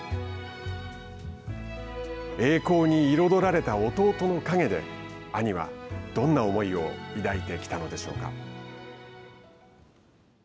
栄光に彩られた弟の影で兄は、どんな思いを抱いてきたのでしょうか。